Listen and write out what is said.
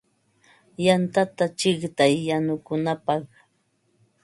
Yantata chiqtay yanukunapaq.